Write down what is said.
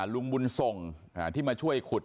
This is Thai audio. ลุงบุญส่งที่มาช่วยขุด